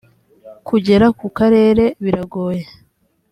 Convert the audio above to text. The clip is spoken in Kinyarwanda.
kugera ku karere biragoye